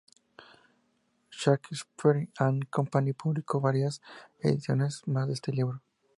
Shakespeare and Company publicó varias ediciones más de este libro.